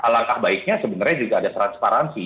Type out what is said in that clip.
langkah baiknya sebenarnya juga ada transparansi